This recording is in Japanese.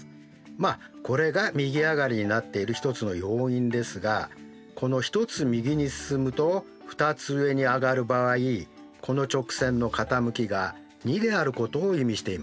まあこれが右上がりになっている一つの要因ですがこの１つ右に進むと２つ上に上がる場合この直線の傾きが２であることを意味しています。